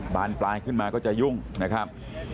บานปลายขึ้นมาก็จะยุ่งนะครับ